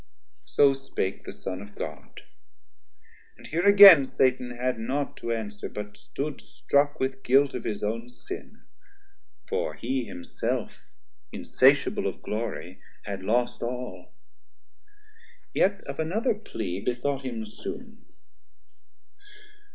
So spake the Son of God; and here again Satan had not to answer, but stood struck With guilt of his own sin, for he himself Insatiable of glory had lost all, Yet of another Plea bethought him soon.